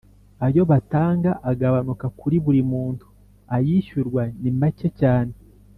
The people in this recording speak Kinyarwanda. ayo batanga agabanuka kuri buri muntu ayishyurwa ni macye cyane.